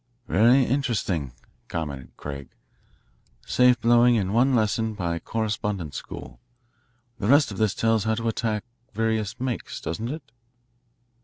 "Very interesting," commented Craig. "Safe blowing in one lesson by correspondence school. The rest of this tells how to attack various makes, doesn't it?"